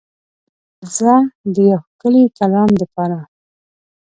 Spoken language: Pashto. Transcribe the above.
زه د یو ښکلی کلام دپاره